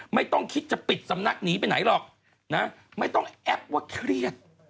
ไม่ต้องคิดจะปิดสำนักหนีไปไหนหรอกนะไม่ต้องแอปว่าเครียด